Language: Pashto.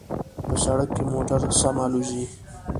په سړک کې موټر سم الوزي